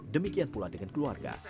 demikian pula dengan keluarga